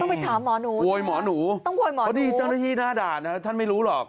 ไปถามหมอหนูโวยหมอหนูต้องโวยหมอเพราะนี่เจ้าหน้าที่หน้าด่านนะท่านไม่รู้หรอก